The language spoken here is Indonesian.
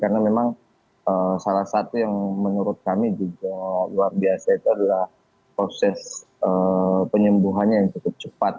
karena memang salah satu yang menurut kami juga luar biasa itu adalah proses penyembuhannya yang cukup cepat